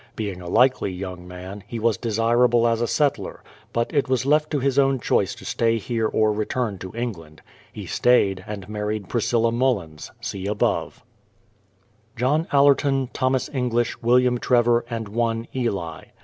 Being a likely young man, he was desirable as a settler ; but it was left to his own choice to stay here or return to England; he stayed, and married Priscilla MuUins (see above). JOHN ALLERTON; THOMAS ENGLISH; WILLIAM TREVOR; and one, ELY.